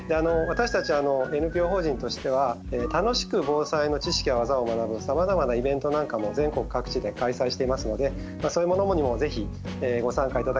私たちＮＰＯ法人としては楽しく防災の知識や技を学ぶさまざまなイベントなんかも全国各地で開催していますのでまあそういうものにも是非ご参加